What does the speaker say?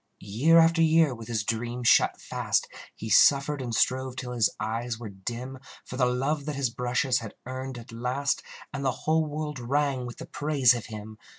Year after year, with his dream shut fast, He suffered and strove till his eyes were dim, For the love that his brushes had earned at last, And the whole world rang with the praise of him.